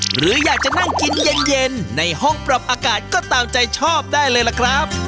หรืออยากจะนั่งกินเย็นในห้องปรับอากาศก็ตามใจชอบได้เลยล่ะครับ